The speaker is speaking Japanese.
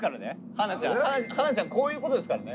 花ちゃん花ちゃんこういうことですからね